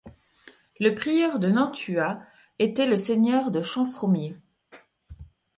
Le prieur de Nantua était le seigneur de Champfromier.